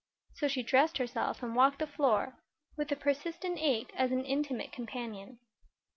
So she dressed herself and walked the floor, with the persistent ache as an intimate companion.